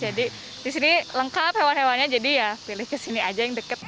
jadi di sini lengkap hewan hewannya jadi ya pilih ke sini aja yang dekat